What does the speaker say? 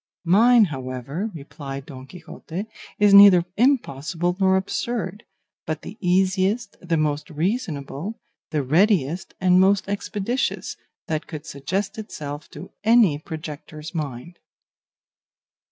"Mine, however," replied Don Quixote, "is neither impossible nor absurd, but the easiest, the most reasonable, the readiest and most expeditious that could suggest itself to any projector's mind."